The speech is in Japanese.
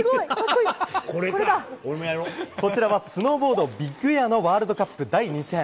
こちらはスノーボードビッグエアのワールドカップ第２戦。